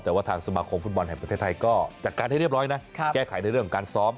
แต่ว่าทางสมาคมฟุตบอลแห่งประเทศไทยก็จัดการให้เรียบร้อยนะแก้ไขในเรื่องของการซ้อม